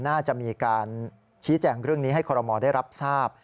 น่าจะมีการชี้แจงเรื่องนี้ให้คอรมอลได้รับทราบ